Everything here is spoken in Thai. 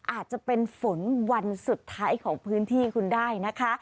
อาจจะเป็นฝนวันสุดท้ายของพื้นที่คุณได้นะคะ